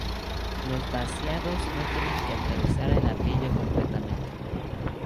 Los vaciados no tienen que atravesar el ladrillo completamente.